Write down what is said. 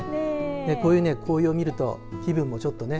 こういう紅葉を見ると気分もちょっとね。